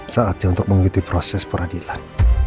saatnya untuk mengikuti proses peradilan